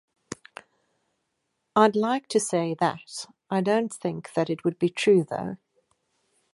I'd like to say that; I don't think that it would be true, though.